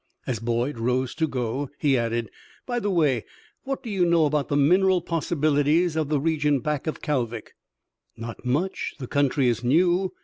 As Boyd rose to go, he added, "By the way, what do you know about the mineral possibilities of the region back of Kalvik?" "Not much; the country is new.